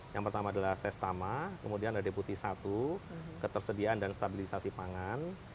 yang pertama adalah sestama kemudian ada deputi satu ketersediaan dan stabilisasi pangan